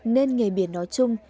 nên nghề biển nói chung